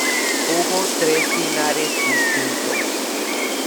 Hubo tres dinares distintos.